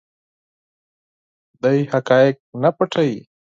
دی حقایق نه پټوي.